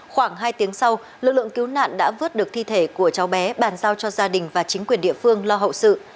khoảng hai tiếng sau lực lượng cứu nạn đã vớt được thi thể của cháu bé bàn giao cho gia đình và chính quyền địa phương lo hậu sự